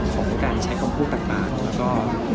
ของการใช้คำพูดต่างแล้วก็